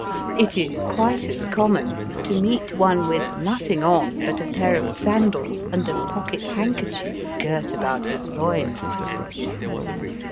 It is quite as common to meet one with nothing on but a pair of sandals and a pocket handkerchief girt about his loins.